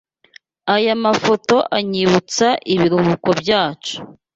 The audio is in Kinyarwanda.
Aya mafoto anyibutsa ibiruhuko byacu.